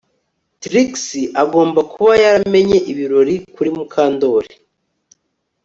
Trix agomba kuba yaramenye ibirori kuri Mukandoli